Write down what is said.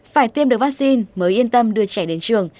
phải tiêm được vaccine mới yên tâm đưa trẻ đến trường